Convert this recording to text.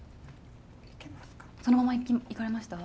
そのままいかれました？